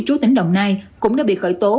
trú tỉnh đồng nai cũng đã bị khởi tố